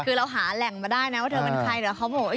คือเราหาแหล่งมาได้นะว่าเธอเป็นใครหรือข้อมูล